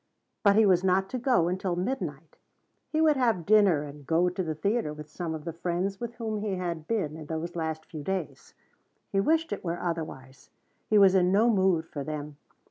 But he was not to go until midnight. He would have dinner and go to the theater with some of the friends with whom he had been in those last few days. He wished it were otherwise. He was in no mood for them.